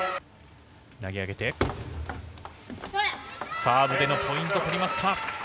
投げ上げて、サーブでのポイント、取りました。